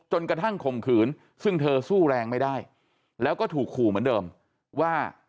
จนกระทั่งข่มขืนซึ่งเธอสู้แรงไม่ได้แล้วก็ถูกขู่เหมือนเดิมว่า